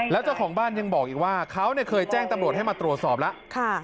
แล้วเจ้าของบ้านยังบอกอีกว่าเขาเคยแจ้งตำรวจให้มาตรวจสอบแล้ว